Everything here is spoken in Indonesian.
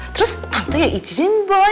terus tante yang izinin boy